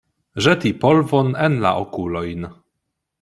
Ĵeti polvon en la okulojn.